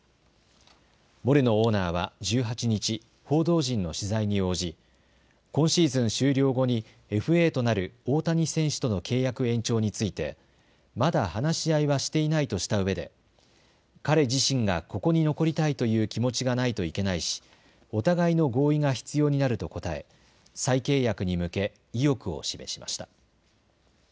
モレノオーナーは１８日、報道陣の取材に応じ今シーズン終了後にＦＡとなる大谷選手との契約延長についてまだ話し合いはしていないとしたうえで彼自身がここに残りたいという気持ちがないといけないしお互いの合意が必要になると答え再契約に向け意欲を示しました。